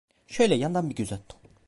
Şöyle yandan bir göz attım.